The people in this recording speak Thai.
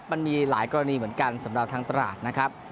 มันมีหลายกรณีเหมือนกันสำหรับทางตราดนะครับ